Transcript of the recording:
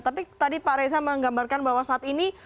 tapi tadi pak reza menggambarkan bahwa saat ini